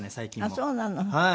あっそうなの。